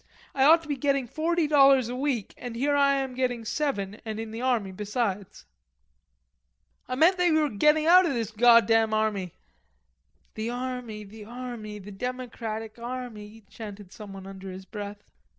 "I ought to be getting forty dollars a week and here I am getting seven and in the army besides." "I meant that you were gettin' out of this goddam army." "The army, the army, the democratic army," chanted someone under his breath.